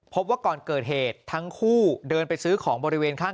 พบว่าก่อนเกิดเหตุทั้งคู่เดินไปซื้อของบริเวณข้าง